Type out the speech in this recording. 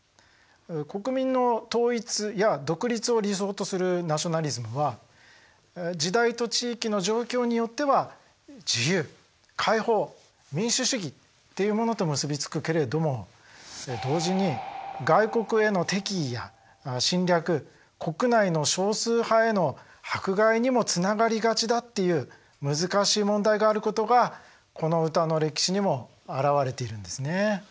国民の統一や独立を理想とするナショナリズムは時代と地域の状況によっては自由解放民主主義っていうものと結びつくけれども同時に外国への敵意や侵略国内の少数派への迫害にもつながりがちだっていう難しい問題があることがこの歌の歴史にもあらわれているんですね。